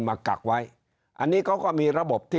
ตัวเลขการแพร่กระจายในต่างจังหวัดมีอัตราที่สูงขึ้น